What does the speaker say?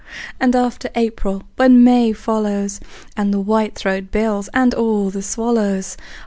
And after April, when May follows, And the whitethroat builds, and all the swallows!